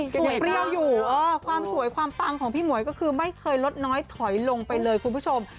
เปรี้ยวอยู่ความสวยความปังของพี่หมวยก็คือไม่เคยลดน้อยถอยลงไปเลยคุณผู้ชม